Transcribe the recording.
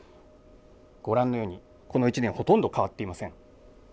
ご覧のように、この１年ほとんど変わっていません。